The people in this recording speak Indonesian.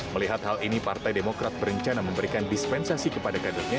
melihat hal ini partai demokrat berencana memberikan dispensasi kepada kadernya